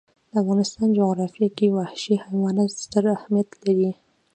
د افغانستان جغرافیه کې وحشي حیوانات ستر اهمیت لري.